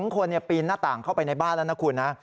๒คนปีนหน้าต่างเข้าไปในบ้านแล้วนะคุณนะ